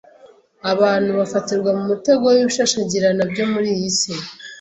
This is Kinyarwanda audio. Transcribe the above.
Abantu bafatirwa mu mutego w’ibishashagirana byo muri iyi si.